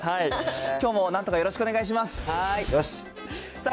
きょうもなんとかよろしくお願いします。